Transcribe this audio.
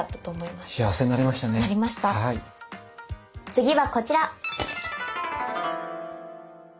次はこちら。